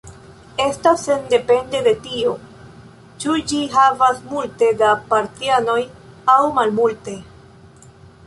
Estas sendepende de tio, ĉu ĝi havas multe da partianoj aŭ malmulte.